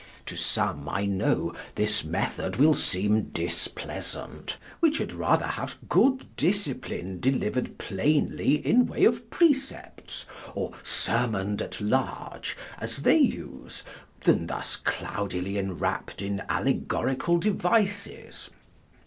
To some, I know, this methode will seeme displeasaunt, which had rather have good discipline delivered plainly in way of precepts, or sermoned at large, as they use, then thus clowdily enwrapped in allegoricall devises.